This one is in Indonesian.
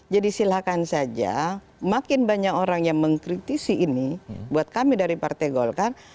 silakan saja makin banyak orang yang mengkritisi ini buat kami dari partai golkar